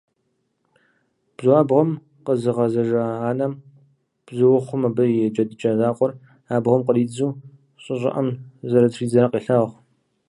Бзуабгъуэм къэзыгъэзэжа анэм, бзуухъум абы я джэдыкӀэ закъуэр абгъуэм къридзу щӀы щӀыӀэм зэрытридзар къелъагъу.